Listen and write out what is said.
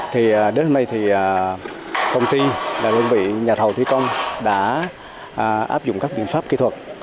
thì đến hôm nay thì công ty là đơn vị nhà thầu thủy công đã áp dụng các biện pháp kỹ thuật